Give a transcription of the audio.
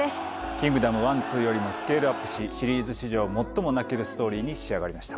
『キングダム』１２よりもスケールアップしシリーズ史上最も泣けるストーリーに仕上がりました。